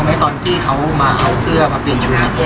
เอาไหมตอนที่เขามาเอาเสื้อมาเปลี่ยนชุมภาพ